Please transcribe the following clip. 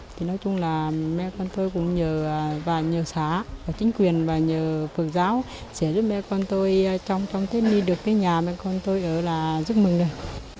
thì nói chung là mẹ con tôi cũng nhờ và nhờ xã và chính quyền và nhờ phật giáo sẽ giúp mẹ con tôi trong thết niên được cái nhà mẹ con tôi ở là rất mừng đấy